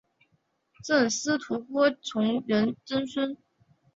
赠司徒郭崇仁曾孙。